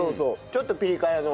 ちょっとピリ辛の。